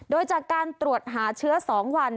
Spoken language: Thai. โดยจากการตรวจหาเชื้อ๒วัน